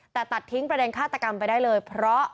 แต่ตัดทิ้งประเด็นฆาตกรรมไปได้เลยเพราะ